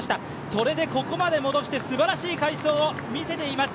それでここまで戻して、すばらしい快走を見せています。